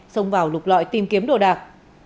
xông vào lục lọi tìm kiếm đồ đạc